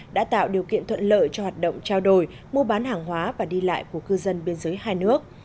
đã tạo điều kiện thuận lợi cho hoạt động trao đổi mua bán hàng hóa và đi lại của cư dân biên giới hai nước